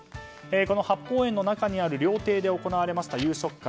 この八芳園の中にある料亭で行われました夕食会。